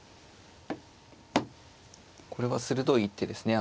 これは鋭い一手ですね。